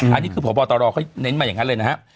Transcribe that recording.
อันนี้คือผัวบ่าตลอดเขาเน้นมาอย่างงั้นเลยนะฮะ